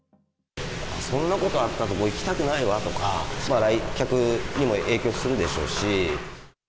そんなことあった所、行きたくないわとか、来客にも影響するでしょうし。